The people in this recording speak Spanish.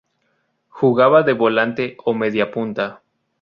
Jugaba de volante o mediapunta.